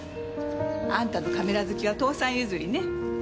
あんたのカメラ好きは父さん譲りね。